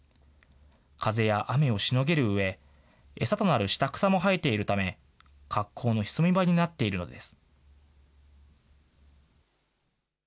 風や雨をしのげるうえ、餌となる下草も生えているため、格好の潜み場になっているのです。